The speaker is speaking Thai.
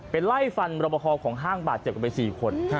ไล่ฟันรบคอของห้างบาดเจ็บกันไป๔คน